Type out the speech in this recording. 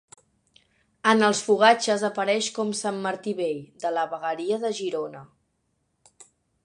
En els fogatges apareix com Sant Martí Vell, de la vegueria de Girona.